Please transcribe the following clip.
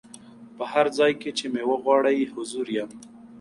په هر ځای کي چي مي وغواړی حضور یم